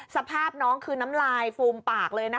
สภาพน้องคือน้ำลายฟูมปากเลยนะคะ